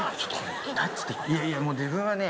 いやいやもう自分はね